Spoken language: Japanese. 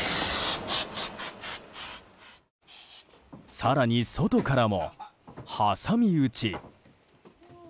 更に、外からも挟み撃ち。